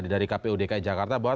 dari kp udki jakarta bahwa